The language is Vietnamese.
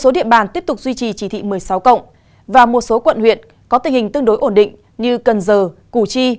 duy trì chỉ thị một mươi sáu cộng và một số quận huyện có tình hình tương đối ổn định như cần giờ củ chi